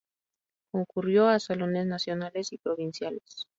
Concurrió a salones nacionales y provinciales.